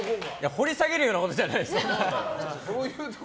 掘り下げるようなことじゃないです。